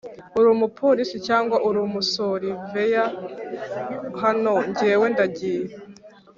Urumuporisi cyangwa urumusoriveya hano njyewe ndagiye